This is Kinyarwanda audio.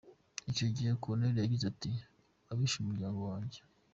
Icyo yihe Corneille yagize ati : "Abishe umuryango wanjye ?